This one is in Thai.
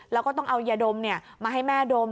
แล้วก็ต้องเอายาดมมาให้แม่ดม